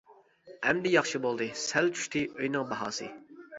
ئەمدى ياخشى بولدى، سەل چۈشتى ئۆينىڭ باھاسى.